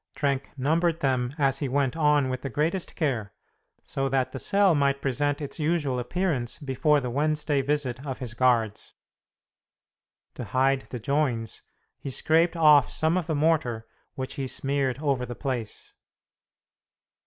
Trenck numbered them as he went on with the greatest care, so that the cell might present its usual appearance before the Wednesday visit of his guards. To hide the joins, he scraped off some of the mortar, which he smeared over the place.